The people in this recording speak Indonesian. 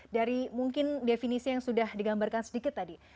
dari mungkin definisi yang sudah digambarkan sedikit tadi